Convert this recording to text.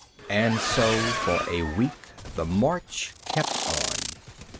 And so for a week the march kept on.